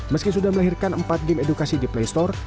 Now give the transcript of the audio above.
meski sudah melahirkan empat game edukasi di playstore